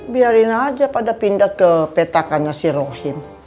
biarin aja pada pindah ke petakannya si rohim